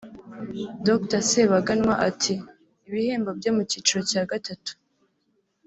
Dr Sebaganwa ati “Ibihembo byo mu cyiciro cya gatatu